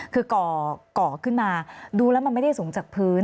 คือก่อขึ้นมาดูแล้วมันไม่ได้สูงจากพื้น